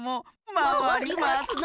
まわりますな。